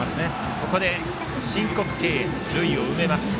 ここで申告敬遠で塁を埋めます。